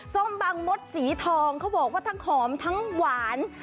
ส้มบางมดสีทองเขาบอกว่าทั้งหอมทั้งหวาน